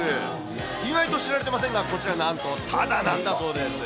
意外と知られていませんが、こちら、なんとただなんだそうです。